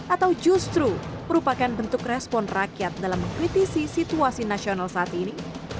atau justru merupakan bentuk respon rakyat dalam mengkritisi situasi nasional saat ini